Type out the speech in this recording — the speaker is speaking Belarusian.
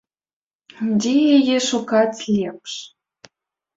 Дзе яе шукаць лепш?